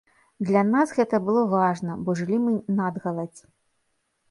Для нас гэта было важна, бо жылі мы надгаладзь.